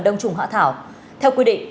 đông trùng hạ thảo theo quy định